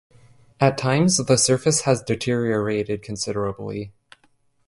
At times the surface has deteriorated considerably.